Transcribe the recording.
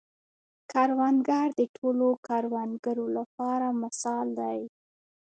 کروندګر د ټولو کروندګرو لپاره مثال دی